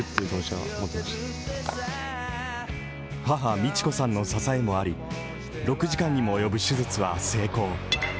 母・路子さんの支えもあり６時間にも及ぶ手術は成功。